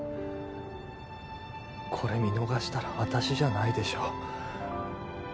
これ見逃したら私じゃないでしょ